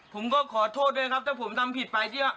ผมก็ขอโทษด้วยครับถ้าผมทำผิดไป